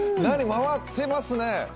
回ってますね。